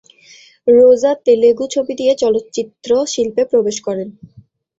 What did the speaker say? রোজা তেলুগু ছবি দিয়ে চলচ্চিত্র শিল্পে প্রবেশ করেন।